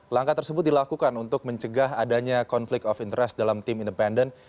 langkah tersebut dilakukan untuk mencegah adanya konflik of interest dalam tim independen